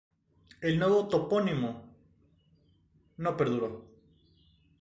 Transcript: El nuevo topónimo no perduró.